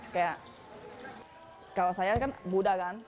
kayak kalau saya kan buddha kan